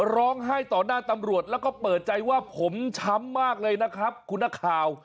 ร้องไห้ต่อหน้าตำรวจแล้วก็เปิดใจว่าผมช้ำมากเลยนะครับคุณนักข่าว